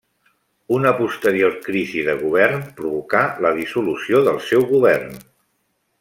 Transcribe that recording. Una posterior crisi de govern provocà la dissolució del seu govern.